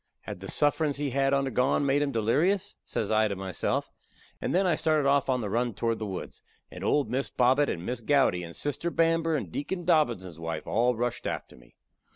"Had the sufferin's he had undergone made him delerious?" says I to myself; and then I started off on the run toward the woods, and old Miss Bobbet, and Miss Gowdy, and Sister Bamber, and Deacon Dobbinses' wife all rushed after me.